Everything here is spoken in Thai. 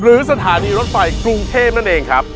สถานีรถไฟกรุงเทพนั่นเองครับ